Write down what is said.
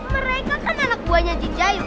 mereka kan anak buahnya jin jayu